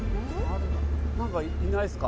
何かいないっすか？